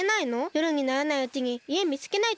よるにならないうちにいえみつけないと。